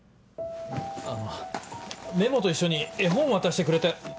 あのメモと一緒に絵本渡してくれた。